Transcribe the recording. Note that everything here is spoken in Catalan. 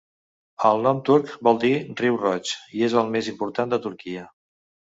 El nom turc vol dir 'Riu Roig' i és el més important de Turquia.